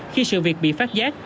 khi sự việc bị phát giác